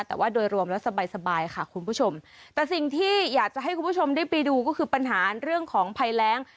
แต่ว่าโดยรวมแล้วสบายสบายค่ะคุณผู้ชมแต่สิ่งที่อยากจะให้คุณผู้ชมได้ไปดูก็คือปัญหาเรื่องของภัยแรง